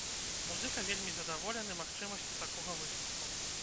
Музыка вельмі задаволены магчымасцю такога выступу.